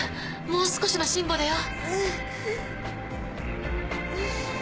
もう少しの辛抱だよ。